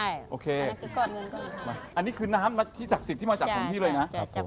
อย่างนี้คือน้ำที่ศักดิ์สิทธิ์มาจากของพี่เลยไหมครับ